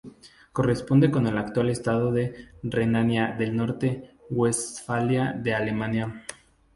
Corresponde con el actual estado de Renania del Norte-Westfalia de Alemania.